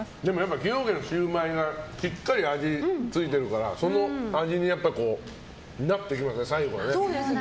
崎陽軒のシウマイがしっかり味付いてるからその味になっていきますね、最後。